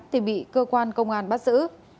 thì bị cơ quan công an bắt giữ